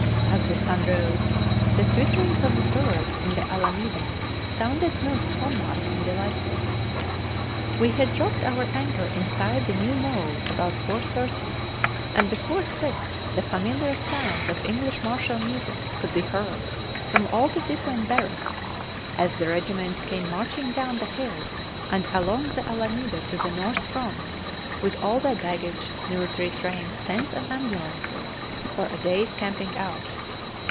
As the sun rose, the twitterings of the birds in the Alameda sounded most homelike and delightful. We had dropped our anchor inside the New Mole about 4.30, and before six the familiar sounds of English martial music could be heard from all the different barracks, as the regiments came marching down the hill and along the Alameda to the north front with all their baggage, military trains, tents, and ambulances, for a day's camping out.